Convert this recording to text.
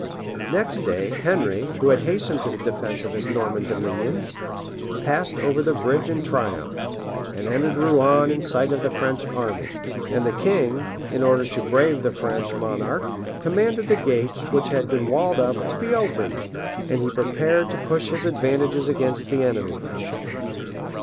[] Next day, Henry, who had hastened to the defence of his Norman dominions, passed over the bridge in triumph; and entered Rouen in sight of the French army. The city was now in absolute safety; and the king, in order to brave the French, monarch, commanded the gates, which had been walled up, to be opened; and he prepared to push his advantages against the enemy.